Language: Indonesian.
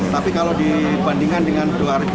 tapi kalau dibandingkan dengan dua ribu sembilan belas